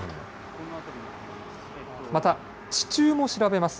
また、地中も調べます。